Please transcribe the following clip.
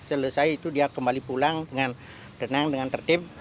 selesai itu dia kembali pulang dengan tenang dengan tertib